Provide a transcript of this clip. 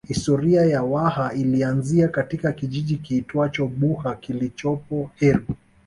Historia ya Waha ilianzia katika kijiji kiitwacho Buha kilichopo Heru